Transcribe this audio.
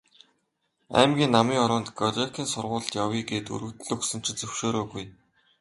Аймгийн Намын хороонд Горькийн сургуульд явъя гээд өргөдөл өгсөн чинь зөвшөөрөөгүй.